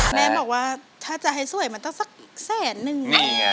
แม่บอกว่าถ้าจะให้สวยมันต้องสักแสนนึง